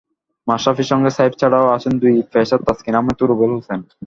মাশরাফির সঙ্গে সাইফ ছাড়াও আছেন দুই পেসার তাসকিন আহমেদ ও রুবেল হোসেন।